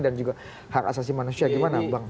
dan juga hak asasi manusia gimana bang